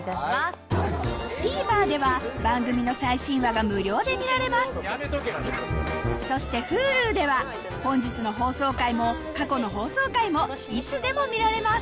ＴＶｅｒでは番組の最新話が無料で見られますそしてＨｕｌｕでは本日の放送回も過去の放送回もいつでも見られます